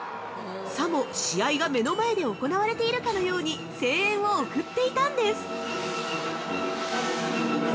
さも試合が目の前で行われているかのように声援を送っていたんです！